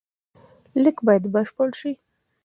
لیک باید بشپړ سي.